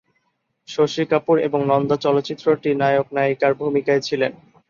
শশী কাপুর এবং নন্দা চলচ্চিত্রটির নায়ক-নায়িকার ভূমিকায় ছিলেন।